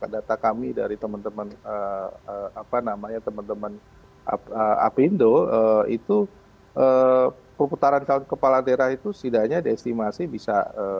data kami dari teman teman apa namanya teman teman apindo itu perputaran calon kepala daerah itu setidaknya diestimasi bisa tiga puluh satu tujuh